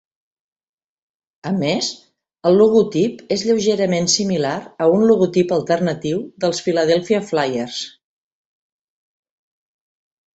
A més, el logotip és lleugerament similar a un logotip alternatiu dels Philadelphia Flyers.